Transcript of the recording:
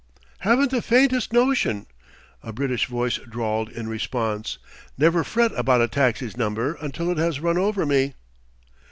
"Haven't the faintest notion," a British voice drawled in response. "Never fret about a taxi's number until it has run over me."